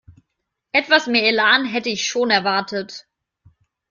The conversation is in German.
Etwas mehr Elan hätte ich schon erwartet.